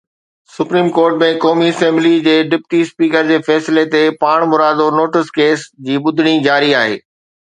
Supreme Court ۾ قومي assembly جي deputy speaker جي فيصلي تي پاڻمرادو نوٽيس ڪيس جي ٻڌڻي جاري آهي.